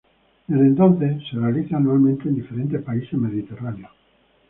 Desde entonces se realiza anualmente en diferentes países mediterráneos.